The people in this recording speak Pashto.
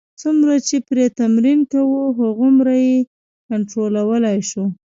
څومره چې پرې تمرین کوو، هغومره یې کنټرولولای شو.